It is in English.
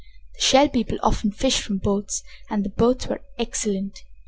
The Shell People often fished from boats, and the boats were excellent.